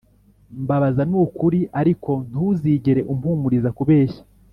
mbabaza n'ukuri ariko ntuzigere umpumuriza kubeshya.